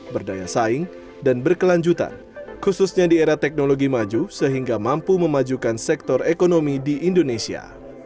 berdaya saing dan berkelanjutan khususnya di era teknologi maju sehingga mampu memajukan sektor ekonomi di indonesia